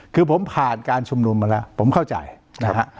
คือผมผ่านการชุมนุมมาแล้วผมเข้าใจนะฮะ